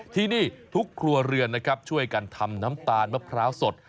ที่นี่ทุกครัวเรือนนะครับช่วยกันทำน้ำตาลมะพร้าวสด